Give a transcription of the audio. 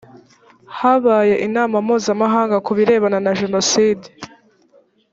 habaye inama mpuzamahanga ku birebana na jenoside.